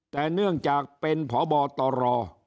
แต่เนื่องจากเป็นผ่อบ่อต่อรอ